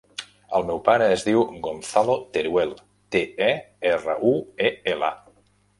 El meu pare es diu Gonzalo Teruel: te, e, erra, u, e, ela.